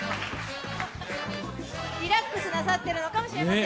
リラックスなさってるのかもしれませんね。